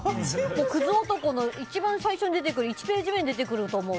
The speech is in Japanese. クズ男の一番最初、１ページ目に出てくると思う。